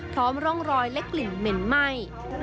พร้อมร่องรอยและกลิ่นเหม็นไหม้